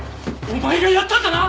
お前がやったんだな